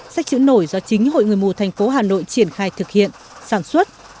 sách chữ nổi do chính hội người mù thành phố hà nội triển khai thực hiện sản xuất